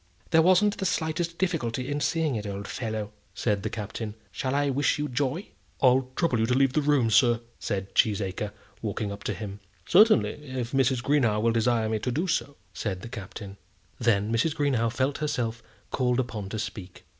"There wasn't the slightest difficulty in seeing it, old fellow," said the Captain. "Shall I wish you joy?" "I'll trouble you to leave the room, sir," said Cheesacre, walking up to him. "Certainly, if Mrs. Greenow will desire me to do so," said the Captain. Then Mrs. Greenow felt herself called upon to speak.